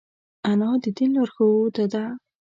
انا د دین لارښوده ده